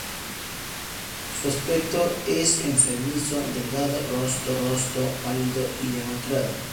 Su aspecto es enfermizo, delgado y de rostro pálido y demacrado.